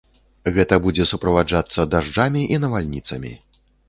Гэта будзе суправаджацца дажджамі і навальніцамі.